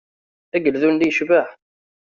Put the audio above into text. Ageldun-nni yecbeḥ.